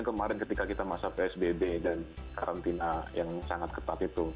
kemarin ketika kita masa psbb dan karantina yang sangat ketat itu